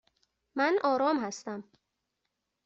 من آرام هستم.